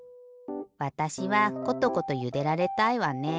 わたしはコトコトゆでられたいわね。